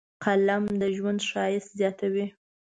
قلم د ژوند ښایست زیاتوي